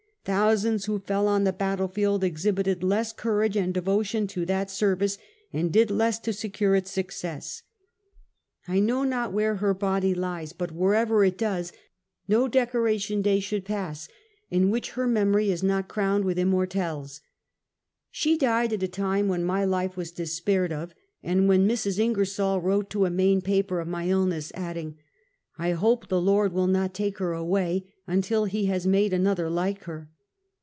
Thousands who fell on the battle field, exhibited less courage and devotion to that service, and did less to to secure its success. 1 know not where her body lies. An Efficient IN'ukse. 367 but wherever it does, no decoration day should pass in whicli her memory is not crowned with immortelles. She died at a time when my life was despaired of, and when Mrs. Ingersol wrote to a Maine paper of my illness, adding: " I hope the Lord will not take her away, until He has made another like her."